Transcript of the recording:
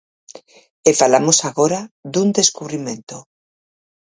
E falamos agora dun descubrimento.